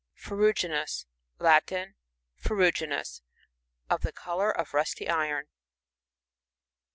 Fbrruoineus. — Latin. Ferruginous. Of the colour of rusty iron.